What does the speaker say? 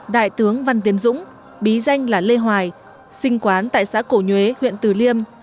đại tướng văn tiến dũng bí danh là lê hoài sinh quán tại xã cổ nhuế huyện tử liêm